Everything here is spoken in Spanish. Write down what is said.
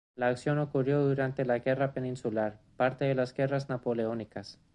La acción ocurrió durante la Guerra Peninsular, parte de las Guerras Napoleónicas.